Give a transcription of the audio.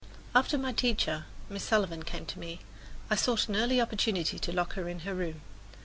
After my teacher, Miss Sullivan, came to me, I sought an early opportunity to lock her in her room.